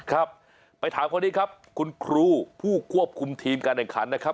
ครับไปถามคนนี้ครับคุณครูผู้ควบคุมทีมการแข่งขันนะครับ